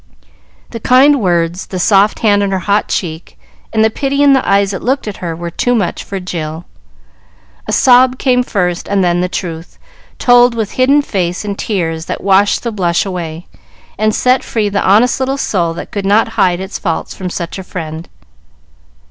The kind words, the soft hand on her hot cheek, and the pity in the eyes that looked at her, were too much for Jill. A sob came first, and then the truth, told with hidden face and tears that washed the blush away, and set free the honest little soul that could not hide its fault from such a friend.